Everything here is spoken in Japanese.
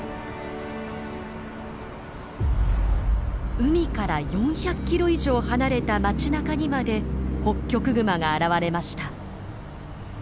海から４００キロ以上離れた街なかにまでホッキョクグマが現れました。